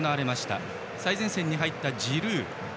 最前線に入ったジルー。